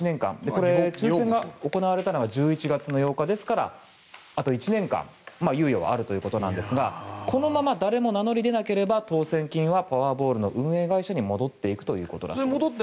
これ、抽選が行われたのが１１月８日ですからあと１年間猶予はあるということなんですがこのまま誰も名乗り出なければ当選金はパワーボールの運営会社に戻っていくということだそうです。